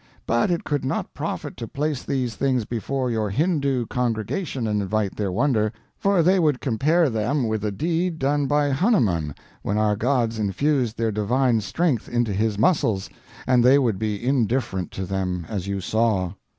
But it could not profit to place these things before your Hindoo congregation and invite their wonder; for they would compare them with the deed done by Hanuman, when our gods infused their divine strength into his muscles; and they would be indifferent to them as you saw.